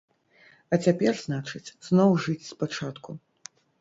А цяпер, значыць, зноў жыць спачатку.